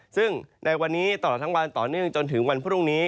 ซึ่งในวันนี้ตลอดทั้งวันต่อเนื่องจนถึงวันพรุ่งนี้